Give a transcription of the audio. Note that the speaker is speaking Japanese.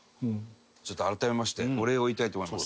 ちょっと改めましてお礼を言いたいと思います。